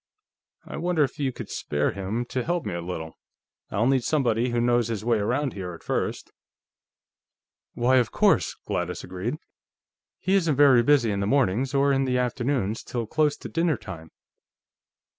"I wonder if you could spare him to help me a little? I'll need somebody who knows his way around here, at first." "Why, of course," Gladys agreed. "He isn't very busy in the mornings, or in the afternoons till close to dinner time.